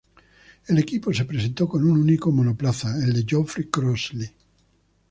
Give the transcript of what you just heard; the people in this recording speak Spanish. El equipo se presentó con un único monoplaza, el de Geoffrey Crossley.